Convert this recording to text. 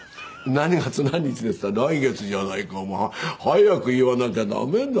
何月何日ですって言ったら「来月じゃないかお前」「早く言わなきゃ駄目だよ。